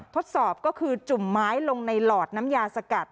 ทดสอบก็คือจุ่มไม้ลงในหลอดน้ำยาสกัด